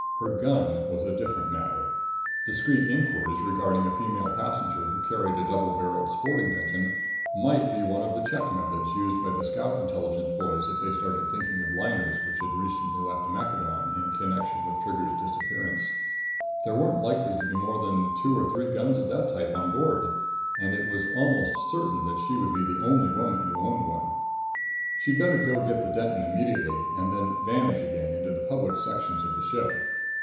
Her gun was a different matter. Discreet inquiries regarding a female passenger who carried a double barreled sporting Denton might be one of the check methods used by the Scout Intelligence boys if they started thinking of liners which recently had left Maccadon in connection with Trigger's disappearance. There weren't likely to be more than two or three guns of that type on board, and it was almost certain that she would be the only woman who owned one. She'd better go get the Denton immediately ... and then vanish again into the public sections of the ship!